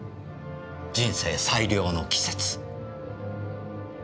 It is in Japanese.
人生最良の季節。